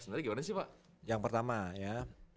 sebenarnya gimana sih pak yang pertama ya